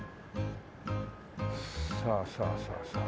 さあさあさあさあ。